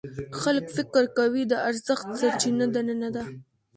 خلک فکر کوي د ارزښت سرچینه دننه ده.